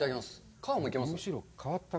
皮もいけます？